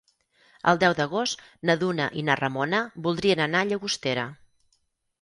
El deu d'agost na Duna i na Ramona voldrien anar a Llagostera.